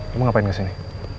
kamu ngapain kesini